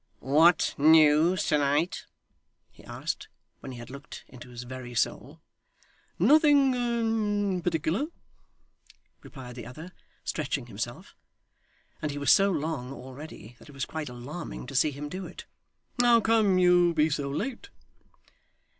'What news to night?' he asked, when he had looked into his very soul. 'Nothing particular,' replied the other, stretching himself and he was so long already that it was quite alarming to see him do it 'how come you to be so late?